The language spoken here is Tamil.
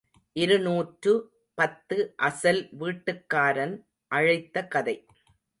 இருநூற்று பத்து அசல் வீட்டுக்காரன் அழைத்த கதை.